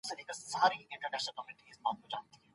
سم نیت فشار نه خپروي.